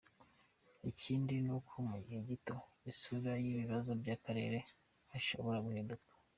Ikindi ni uko mu gihe gito isura y’ibibazo by’Akarere ishobora guhinduka.